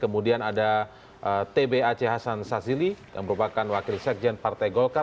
kemudian ada tbac hasan sazili yang merupakan wakil sekjen partai golkar